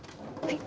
はい。